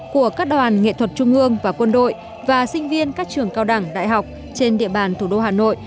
của các đoàn nghệ thuật trung ương và quân đội và sinh viên các trường cao đẳng đại học trên địa bàn thủ đô hà nội